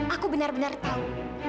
aku benar benar tahu